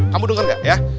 kamu denger nggak ya